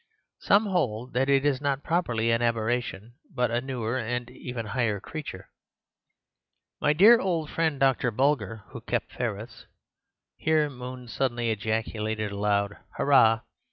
Some hold that it is not properly an aberration, but a newer and even a higher creature. My dear old friend Dr. Bulger, who kept ferrets—" (here Moon suddenly ejaculated a loud "hurrah!"